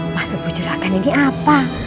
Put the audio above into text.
maksud bu jurakan ini apa